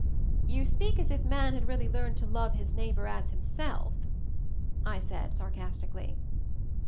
"You speak as if man had really learned to 'love his neighbor as himself,'" I said sarcastically.